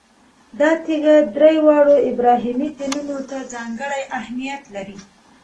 دا تیږه درې واړو ابراهیمي دینونو ته ځانګړی اهمیت لري.